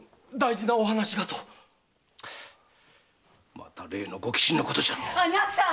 またご寄進のことじゃろう。